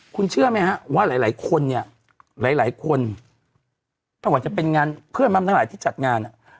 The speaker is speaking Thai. คุณเชื่อไหมฮะว่าหลายคนเนี่ยหลายคนไม่ว่าจะเป็นงานเพื่อนมัมทั้งหลายที่จัดงาน